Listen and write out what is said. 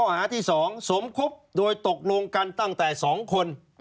หาที่๒สมคบโดยตกลงกันตั้งแต่๒คน